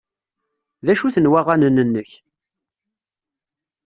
D acu-ten waɣanen-nnek?